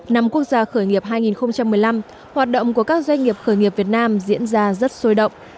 năm quốc gia khởi nghiệp hai nghìn một mươi năm hoạt động của các doanh nghiệp khởi nghiệp việt nam diễn ra rất sôi động